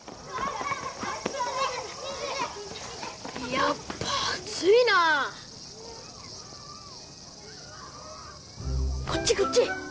やっぱ暑いなこっちこっち